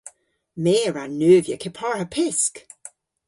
My a wra neuvya kepar ha pysk!